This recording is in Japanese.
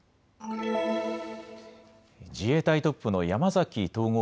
自衛隊トップの山崎統合